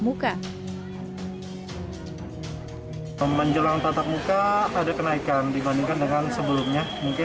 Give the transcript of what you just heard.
muka menjelang tatap muka ada kenaikan dibandingkan dengan sebelumnya mungkin